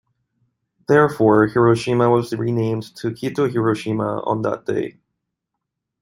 Therefore, Hiroshima was renamed to Kitahiroshima on that day.